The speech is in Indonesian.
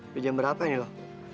udah jam berapa ini loh